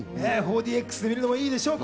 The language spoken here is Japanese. ４ＤＸで見るのもいいでしょう。